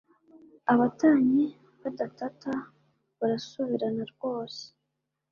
Abatanye badatata barasubirana rwose